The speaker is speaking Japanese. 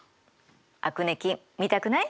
アクネ菌見たくない？